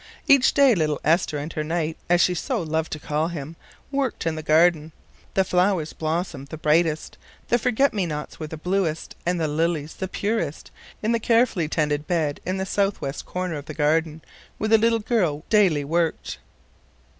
Each day little Esther and her knight, as she so loved to call him, worked in the garden; the flowers blossomed the brightest, the forget me nots were the bluest, and the lilies the purest, in the carefully tended bed in the southwest corner of the garden where the little girl daily worked.